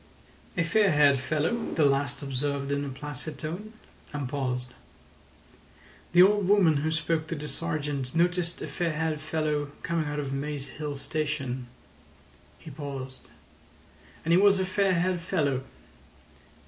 "A fair haired fellow," the last observed in a placid tone, and paused. "The old woman who spoke to the sergeant noticed a fair haired fellow coming out of Maze Hill Station." He paused. "And he was a fair haired fellow.